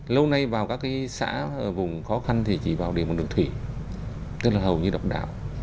lâu nay vào các cái xã vùng khó khăn thì chỉ vào điểm một đường thủy rất là hầu như độc đạo